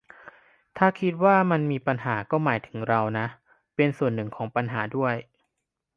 ถ้าคิดว่ามันมีปัญหาก็หมายถึงเราน่ะเป็นส่วนหนึ่งของปัญหาด้วย